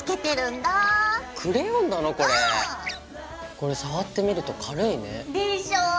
これ触ってみると軽いね。でしょ？